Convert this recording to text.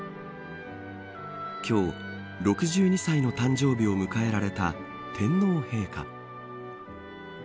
今日、６２歳の誕生日を迎えられた天皇陛下。